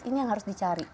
ini yang harus dicari